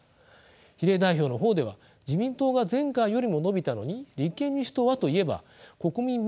比例代表の方では自民党が前回よりも伸びたのに立憲民主党はといえば国民民主党などと合体する